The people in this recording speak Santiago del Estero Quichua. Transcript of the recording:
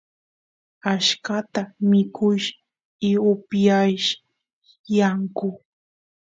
achkata mikush y upiyash yakuta